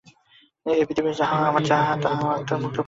এই পৃথিবী যাহা এবং আমরা যাহা, তাহা আত্মার মুক্তস্বভাবেরই ফল।